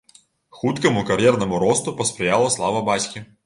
Хуткаму кар'ернаму росту паспрыяла слава бацькі.